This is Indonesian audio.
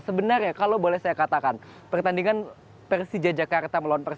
sebenarnya kalau boleh saya katakan pertandingan persija jakarta melawan persib